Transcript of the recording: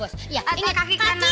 saya jalan dulu bos